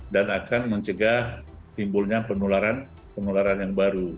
dan akan mencegah timbulnya penularan yang baru